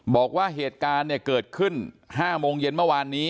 บอกว่าเหตุการณ์เกิดขึ้น๕โมงเย็นเมื่อวานนี้